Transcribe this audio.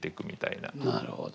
なるほど。